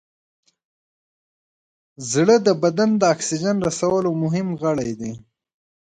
زړه د بدن د اکسیجن رسولو مهم غړی دی.